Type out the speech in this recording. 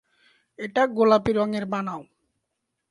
এটা গোলাপী রঙের বানাও।